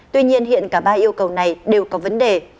tuy nhiên hiện cả ba yêu cầu này đều có vấn đề